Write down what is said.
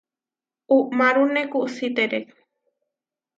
Uʼmárune kusítere.